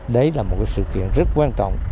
đấy là một sự kiện rất quan trọng